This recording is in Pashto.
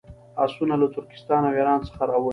آسونه له ترکستان او ایران څخه راوړي.